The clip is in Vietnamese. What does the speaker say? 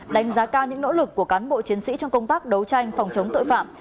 đánh giá cao những nỗ lực của cán bộ chiến sĩ trong công tác đấu tranh phòng chống tội phạm